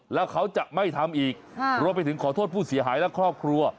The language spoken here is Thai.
แล้วเขาจะไม่ทำอีกรวมไปถึงขอโทษผู้เสียหายและครอบครัว